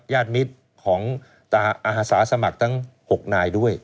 ญาติมิตรของอาสาสมัครทั้ง๖นายด้วย